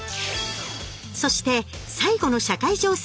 そして最後の社会情勢